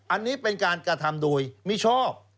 อันนี้เป็นการกระทำโดยมิชอบ